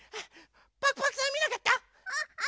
パクパクさんみなかった？